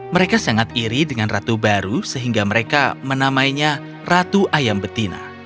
mereka sangat iri dengan ratu baru sehingga mereka menamainya ratu ayam betina